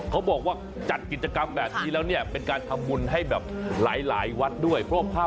เขาบอกว่าจัดกิจกรรมแบบนี้แล้วเนี่ยเป็นการทำบุญให้แบบหลายวัดด้วยเพราะว่าภาพ